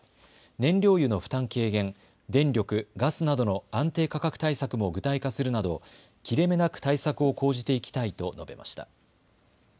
燃料油の負担軽減、電力・ガスなどの安定価格対策も具体化するなど切れ目なく対策を講じていきたいと述べました。